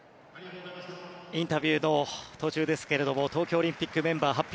インタビューの途中ですけど東京オリンピックメンバー発表